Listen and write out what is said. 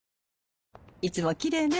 いつもきれいね。